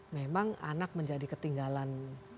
memang anak menjadi ketinggalan